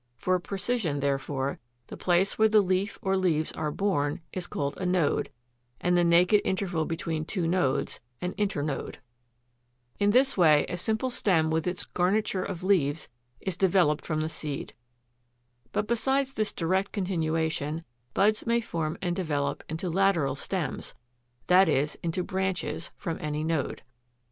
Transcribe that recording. For precision, therefore, the place where the leaf or leaves are borne is called a NODE, and the naked interval between two nodes, an INTERNODE. [Illustration: Fig. 8. Upper part of Flax plant in blossom.] 14. In this way a simple stem with its garniture of leaves is developed from the seed. But besides this direct continuation, buds may form and develop into lateral stems, that is, into branches, from any node.